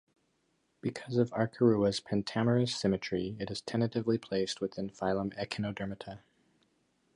Because of "Arkarua"'s pentamerous symmetry, it is tentatively placed within phylum Echinodermata.